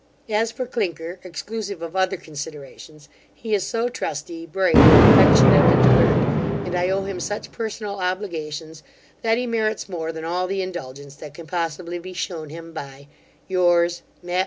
As for Clinker, exclusive of other considerations, he is so trusty, brave, affectionate, and alert, and I owe him such personal obligations, that he merits more than all the indulgence that can possibly be shewn him, by Yours, MATT.